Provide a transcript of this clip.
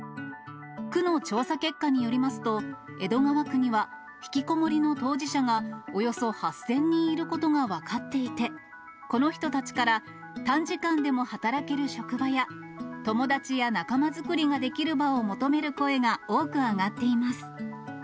区の調査結果によりますと、江戸川区にはひきこもりの当事者がおよそ８０００人いることが分かっていて、この人たちから、短時間でも働ける職場や、友達や仲間づくりができる場を求める声が多く上がっています。